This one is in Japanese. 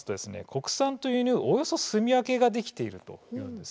国産と輸入およそすみ分けができているというんです。